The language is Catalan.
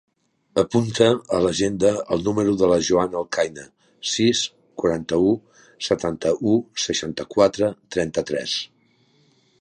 Apunta a l'agenda el número de la Joana Alcaine: sis, quaranta-u, setanta-u, seixanta-quatre, trenta-tres.